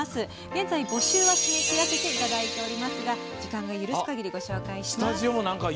現在募集は締め切らせていただいておりますが時間が許すかぎりご紹介します。